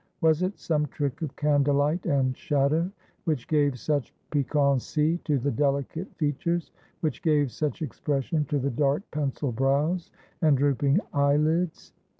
Was it some trick of candlelight and shadow which gave such piquancy to the delicate features, which gave such expression to the dark pencilled brows and drooping eyelids